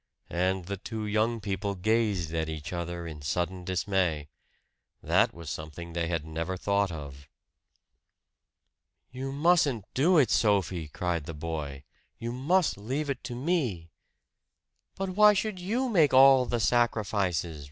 And the two young people gazed at each other in sudden dismay. That was something they had never thought of. "You mustn't do it, Sophie!" cried the boy. "You must leave it to me!" "But why should you make all the sacrifices?"